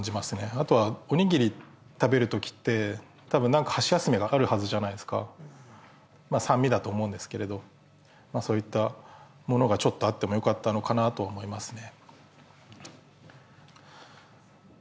あとはおにぎり食べる時ってたぶん何か箸休めがあるはずじゃないですか酸味だと思うんですけれどそういったものがちょっとあってもよかったのかなとは思いますね